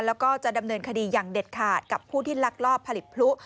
แล้วก็จะดำเนินคดีอย่างเด็ดขาดกับผู้ที่ลักลอบผลิตพลุ